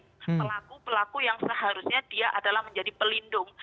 pelaku pelaku yang seharusnya dia adalah menjadi pelindung